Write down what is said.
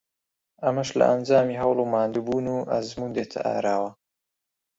ئەمەش لە ئەنجامی هەوڵ و ماندووبوون و ئەزموون دێتە ئاراوە